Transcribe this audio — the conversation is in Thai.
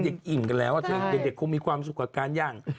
เด็กเด็กอิ่งกันแล้วใช่เด็กเด็กเขามีความสุขกับการย่าง